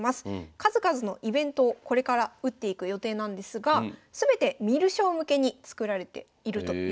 数々のイベントをこれから打っていく予定なんですが全て観る将向けに作られているということです。